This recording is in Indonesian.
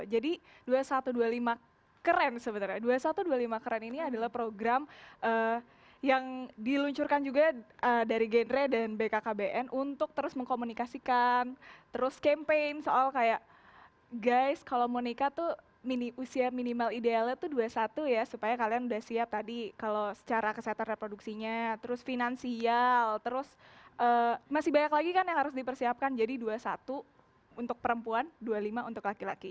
jadi dua ribu satu ratus dua puluh lima keren sebenarnya dua ribu satu ratus dua puluh lima keren ini adalah program yang diluncurkan juga dari genre dan bkkbn untuk terus mengkomunikasikan terus campaign soal kayak guys kalau monika tuh usia minimal idealnya tuh dua satu ya supaya kalian udah siap tadi kalau secara kesehatan reproduksinya terus finansial terus masih banyak lagi kan yang harus dipersiapkan jadi dua satu untuk perempuan dua lima untuk laki laki